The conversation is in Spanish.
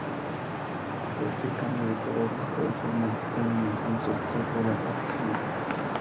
Este cambio de colores causó malestar en algún sector de la afición.